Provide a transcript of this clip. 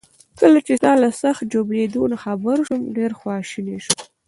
کله چي ستا له سخت ژوبلېدو نه خبر شوم، ډیر خواشینی شوم.